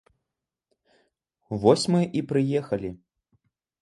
Вось мы і прыехалі.